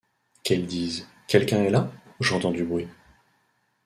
Qu’elle dise: Quelqu’un est là ; j’entends du bruit!